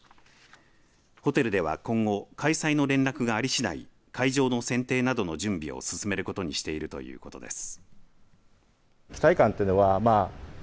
ホテルでは今後開催の連絡がありしだい会場の選定などの準備を進めることにしているということです。